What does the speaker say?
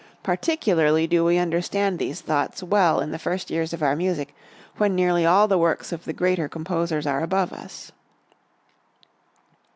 Particularly do we understand these thoughts well in the first years of our music when nearly all the works of the greater composers are above us.